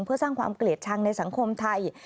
เพื่อสร้างความเกลียดชังในสังคมไทย